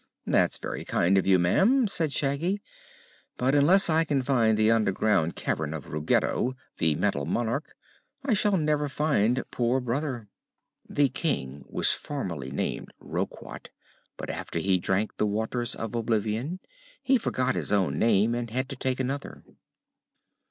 "That's very kind of you, ma'am," said Shaggy. "But unless I can find the underground cavern of Ruggedo, the Metal Monarch, I shall never find poor brother." (This King was formerly named "Roquat," but after he drank of the "Waters of Oblivion" he forgot his own name and had to take another.)